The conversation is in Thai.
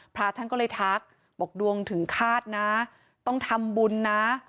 พระท่านก็เลยทักบอกดวงถึงคาดนะต้องทำบุญนะ